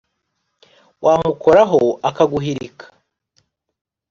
Wamukoraho akaguhirika